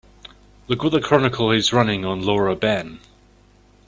Look what the Chronicle is running on Laura Ben.